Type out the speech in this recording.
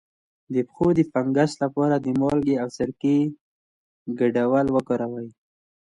د پښو د فنګس لپاره د مالګې او سرکې ګډول وکاروئ